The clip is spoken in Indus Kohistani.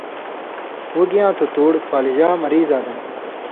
ہُگیاں تھتُوڑ فالجاں مریضاں دن